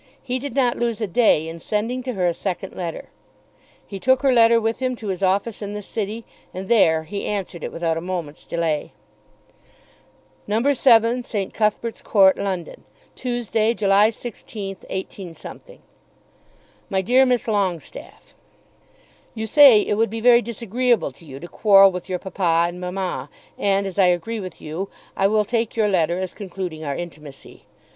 He did not lose a day in sending to her a second letter. He took her letter with him to his office in the city, and there answered it without a moment's delay. No. 7, St. Cuthbert's Court, London, Tuesday, July 16, 18 . MY DEAR MISS LONGESTAFFE, You say it would be very disagreeable to you to quarrel with your papa and mamma; and as I agree with you, I will take your letter as concluding our intimacy.